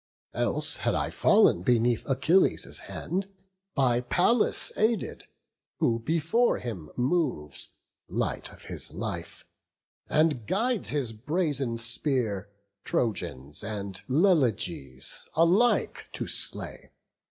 Else had I fall'n beneath Achilles' hand, By Pallas aided; who before him moves, Light of his life, and guides his brazen spear Trojans and Leleges alike to slay.